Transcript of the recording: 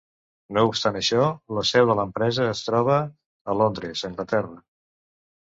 No obstant això, la seu de l'empresa es troba a Londres, Anglaterra.